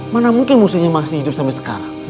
mana mungkin musuhnya masih hidup sampai sekarang